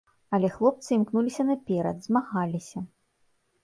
Але хлопцы імкнуліся наперад, змагаліся.